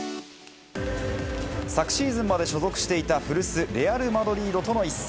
昨シーズンまで所属していた古巣、レアル・マドリードとの一戦。